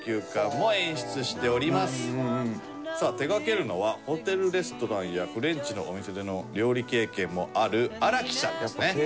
さあ手掛けるのはホテルレストランやフレンチのお店での料理経験もある荒木さんですね。